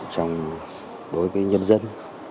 trong đối với nhân dân